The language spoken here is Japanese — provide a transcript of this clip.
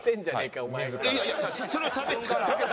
いやそれはしゃべって。